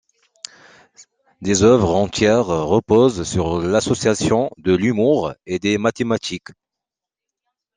Des œuvres entières reposent sur l'association de l'humour et des mathématiques.